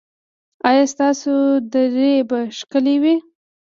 ایا ستاسو درې به ښکلې وي؟